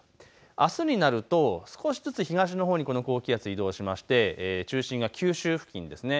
あすになると少しずつ東のほうにこの高気圧が移動しまして中心が九州付近です。